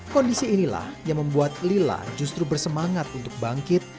kondisi inilah yang membuat lila justru bersemangat untuk bangkit